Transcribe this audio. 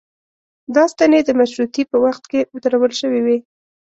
دا ستنې د مشروطې په وخت کې درول شوې وې.